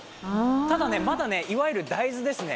ただ、まだいわゆる大豆ですね。